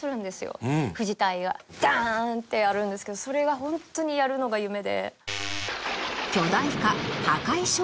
「ダーン！」ってやるんですけどそれがホントにやるのが夢で。